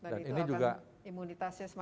dan itu akan imunitasnya sebagusnya